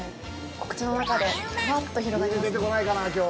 お口の中で、ふわっと広がりますね。